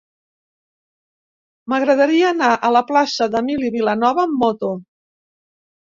M'agradaria anar a la plaça d'Emili Vilanova amb moto.